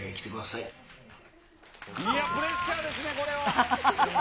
いや、プレッシャーですね、これは。